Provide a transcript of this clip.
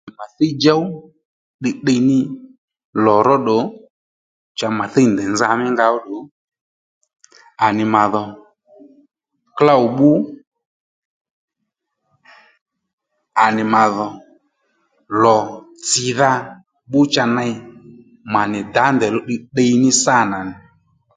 Mà thíy djow tdiytdiy ní lò nà cha mà thíy nì ndèy nza mí nga ó ddù à nì màdhò klôw bbu à nì màdhò lò-tsìdha bbu cha ney mànì dǎ ndèy ò luw tdiytdiy ní sâ nà nì